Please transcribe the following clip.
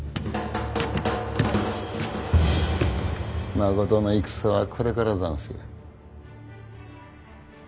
まことの戦はこれからざんすよ。